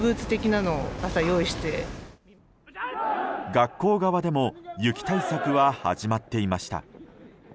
学校側でも雪対策は始まっていました。